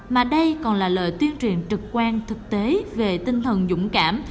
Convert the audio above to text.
mà đây còn là lời tuyên truyền trực quan thực tế về tinh thần dũng cảm